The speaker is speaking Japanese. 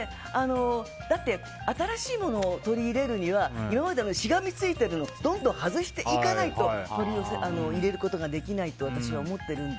だって新しいものを取り入れるには今までのしがみついてるものを取り外していかないと入れることができないと私は思ってるんで。